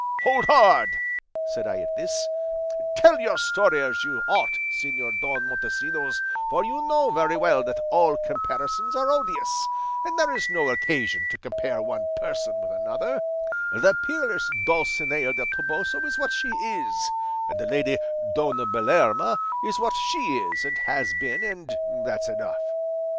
"'Hold hard!' said I at this, 'tell your story as you ought, Señor Don Montesinos, for you know very well that all comparisons are odious, and there is no occasion to compare one person with another; the peerless Dulcinea del Toboso is what she is, and the lady Dona Belerma is what she is and has been, and that's enough.